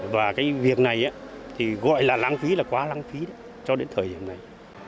và cái việc này thì gọi là lãng phí là quá lãng phí cho đến thời điểm này